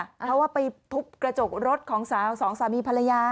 เพราะว่าไปทุบกระจกรถของสาวสองสามีภรรยา